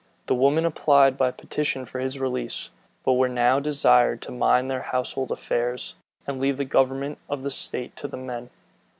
The women applied by petition for his release; but were now desired to mind their household affairs, and leave the government of the state to the men.